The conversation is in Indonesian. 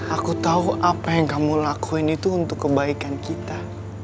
aku tahu apa yang kamu lakuin itu untuk kebaikan kita